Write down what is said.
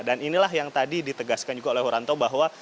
dan inilah yang tadi ditegaskan juga oleh wiranto bahwa